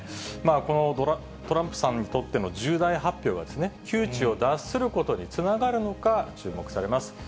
このトランプさんにとっての重大発表がですね、窮地を脱することにつながるのか、注目されます。